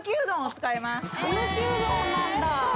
讃岐うどんなんだ。